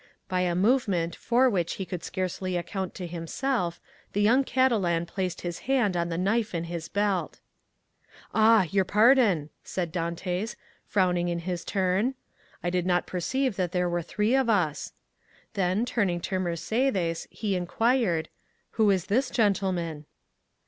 By a movement for which he could scarcely account to himself, the young Catalan placed his hand on the knife at his belt. "Ah, your pardon," said Dantès, frowning in his turn; "I did not perceive that there were three of us." Then, turning to Mercédès, he inquired, "Who is this gentleman?"